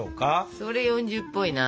それ４０っぽいな。